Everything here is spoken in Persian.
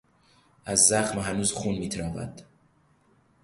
از زخم هنوز خون میتراود.